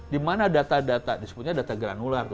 di mana data data disebutnya data granular